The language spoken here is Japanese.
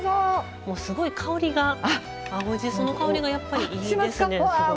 すごい香りが、青じその香りがやっぱりいいですね。